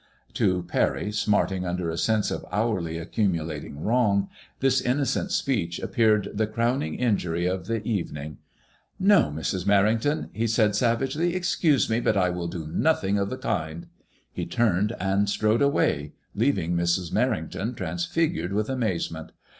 " To Parry, smarting under a sense of hourly accumulating wrong, this innocent speech appeared the crowning injury of the evening. " No, Mrs. Merrington, he replied, savagely. " Excuse me, but I will do nothing of the kind." He turned and strode away, leaving Mrs. Merrington trans figured with amazement.